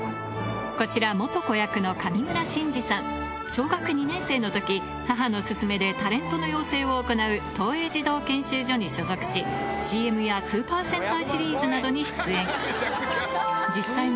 こちら小学２年生の時母の勧めでタレントの養成を行う東映児童研修所に所属しＣＭやスーパー戦隊シリーズなどに出演